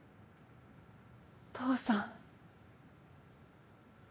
お父さん。